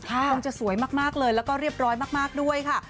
คงจะสวยมากเลยแล้วก็เรียบร้อยมากด้วยค่ะ